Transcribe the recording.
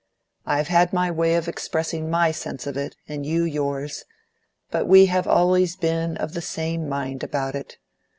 I have had my way of expressing my sense of it, and you yours, but we have always been of the same mind about it.